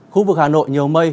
khu vực hà nội nhiều mây